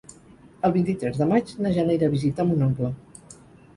El vint-i-tres de maig na Jana irà a visitar mon oncle.